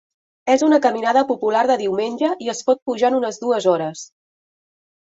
És una caminada popular de diumenge i es pot pujar en unes dues hores.